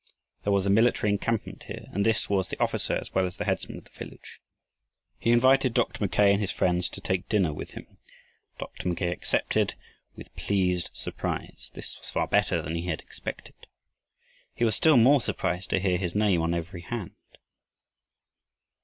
There was a military encampment here, and this was the officer as well as the headman of the village. He invited Dr. Mackay and his friends to take dinner with him. Dr. Mackay accepted with pleased surprise. This was far better than he had expected. He was still more surprised to hear his name on every hand.